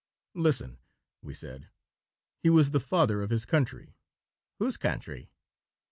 "Listen," we said; "he was the father of his country." "Whose country?"